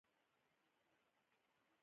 تفسیر تطبیق سطحې دي.